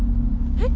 えっ？